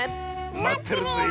まってるぜえ。